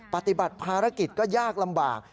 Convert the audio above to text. ปฏิบัติภารกิจก็ยากลำบาก